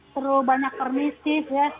terlalu banyak permisi